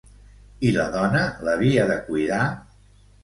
I la dona l'havia de cuidar?